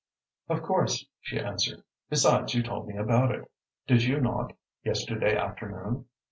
"Of course," she answered. "Besides, you told me about it, did you not, yesterday afternoon?